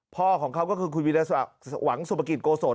พ่อของเขาก็คือวีรีซวะหวังสุภกิตโกสล